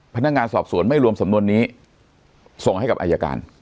พนักงานสอบสวนไม่รวมสำนวนนี้ส่งให้กับอายการ